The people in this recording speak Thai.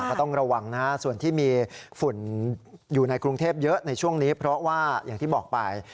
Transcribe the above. ก็ต้องระวังนะฮะส่วนที่มีฝุ่นอยู่ในกรุงเทพเยอะในช่วงนี้เพราะว่าอย่างที่บอกไป